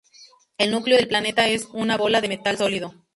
El núcleo del planeta es una bola de metal sólido.